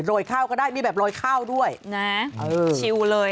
ข้าวก็ได้มีแบบโรยข้าวด้วยนะชิวเลย